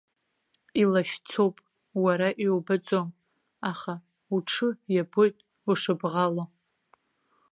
Илашьцоуп, уара иубаӡом, аха уҽы иабоит ушыбӷало.